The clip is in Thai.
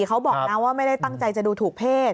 เขาบอกนะว่าไม่ได้ตั้งใจจะดูถูกเพศ